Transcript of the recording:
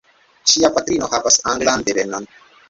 Ŝia patrino havas anglan devenon.